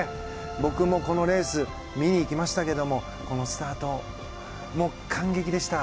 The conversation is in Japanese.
僕もこのレース見に行きましたがこのスタート、もう感激でした。